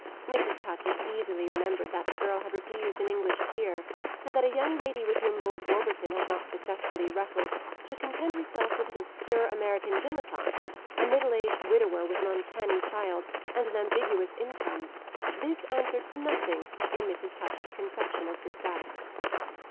Mrs. Touchett easily remembered that the girl had refused an English peer; and that a young lady with whom Lord Warburton had not successfully wrestled should content herself with an obscure American dilettante, a middle aged widower with an uncanny child and an ambiguous income, this answered to nothing in Mrs. Touchett's conception of success.